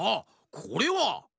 これは。